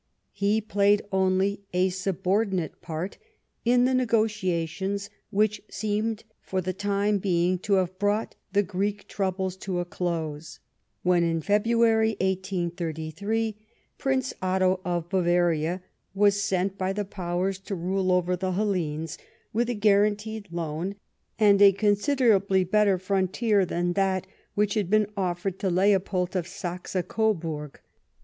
He played only a subordinate part in the negotiations which seemed for the time being to have brought the Greek troubles to a close, when in February 1833 Prince Otho of Bavaria was sent by the Powers to rule over the Hellenes/ with a guaranteed loan and a considerably better frontier than that which had been offered to Leopold of Saxe Coburg.